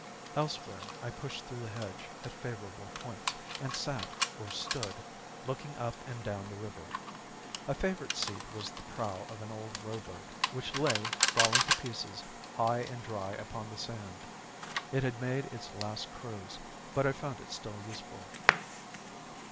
Elsewhere I pushed through the hedge at favorable points, and sat, or stood, looking up and down the river. A favorite seat was the prow of an old row boat, which lay, falling to pieces, high and dry upon the sand. It had made its last cruise, but I found it still useful.